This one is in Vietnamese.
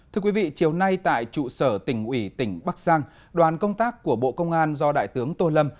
thưa quý vị chiều nay tại trụ sở tỉnh ủy tỉnh bắc giang đoàn công tác của bộ công an do đại tướng tô lâm